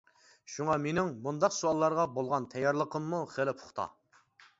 شۇڭا مېنىڭ مۇنداق سوئاللارغا بولغان تەييارلىقىممۇ خېلى پۇختا.